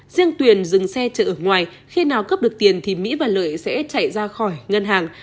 riêng tuyền dừng xe trợ ở ngoài khi nào cấp được tiền thì mỹ và lợi sẽ chạy ra khỏi ngân hàng